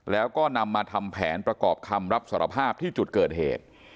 แล้วก็นำมาทำแผนประกอบคำรับสารภาพที่จุดเกิดเหตุ